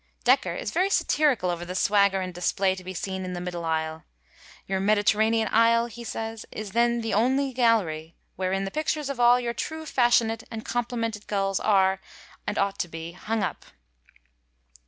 '^ Dekker is very satirical over the swagger and display to be seen in the middle aisle: 'Your mediterranean aisle,' he says, * is then the only gallery, wherein the pictures of all your true fashionate and complimental Gulls are, and ought to be, hung up